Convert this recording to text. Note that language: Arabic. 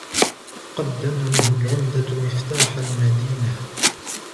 قدم له العمدة مفتاح المدينة.